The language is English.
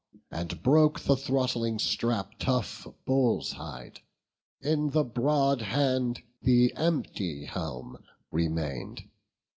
And broke the throttling strap of tough bull's hide. In the broad hand the empty helm remained.